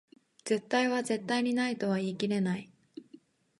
絶対は絶対にないとは絶対言い切れない